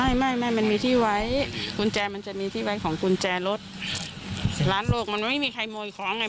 ไม่ไม่มันมีที่ไว้กุญแจมันจะมีที่ไว้ของกุญแจรถร้านโลกมันไม่มีใครขโมยของไง